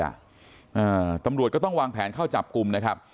อ่าตำรวจก็ต้องวางแผนเข้าจับกลุ่มนะครับ